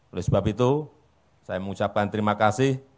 oleh sebab itu saya mengucapkan terima kasih